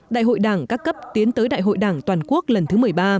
đại hội đảng các cấp tiến tới đại hội đảng toàn quốc lần thứ một mươi ba